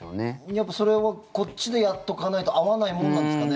やっぱり、それはこっちでやっとかないと合わないもんなんですかね。